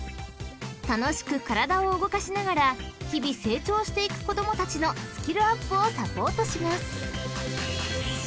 ［楽しく体を動かしながら日々成長していく子供たちのスキルアップをサポートします］